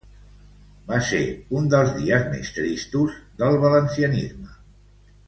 Va ser un dels dies més tristos del valencianisme.